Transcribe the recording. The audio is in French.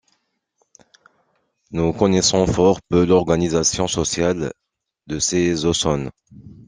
Nous connaissons fort peu l'organisation sociale de ces Ausones.